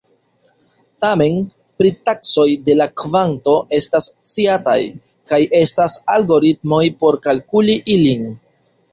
Tamen, pritaksoj de la kvanto estas sciataj, kaj estas algoritmoj por kalkuli ilin.